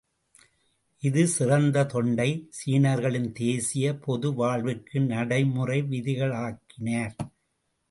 இந்த சிறந்த தொண்டை சீனர்களின் தேசிய பொது வாழ்விற்கு நடைமுறை விதிகளாக்கினார்.